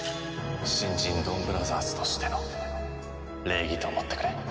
新人ドンブラザーズとしての礼儀と思ってくれ。